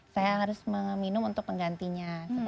saya harus meminum untuk penggantinya